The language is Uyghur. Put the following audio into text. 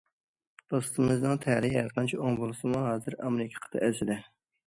دوستىمىزنىڭ تەلىيى ھەرقانچە ئوڭ بولسىمۇ ھازىر ئامېرىكا قىتئەسىدە!